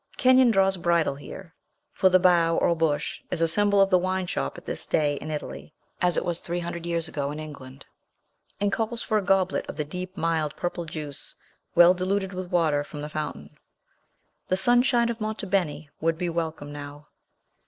Kenyon draws bridle here (for the bough, or bush, is a symbol of the wine shop at this day in Italy, as it was three hundred years ago in England), and calls for a goblet of the deep, mild, purple juice, well diluted with water from the fountain. The Sunshine of Monte Beni would be welcome now.